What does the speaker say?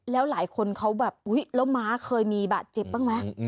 แล้วหลายคนเขาแบบอุ๊ยแล้วม้าเคยมีบาดเจ็บบ้างไหม